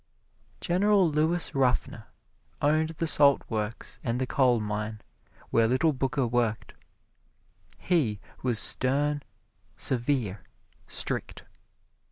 General Lewis Ruffner owned the salt works and the coalmine where little Booker worked. He was stern, severe, strict.